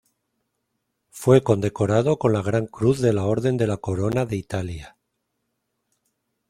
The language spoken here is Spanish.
Fue condecorado con la gran cruz de la Orden de la Corona de Italia.